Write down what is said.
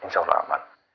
insya allah aman